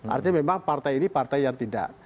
artinya memang partai ini partai yang tidak